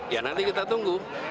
ya nanti kita tunggu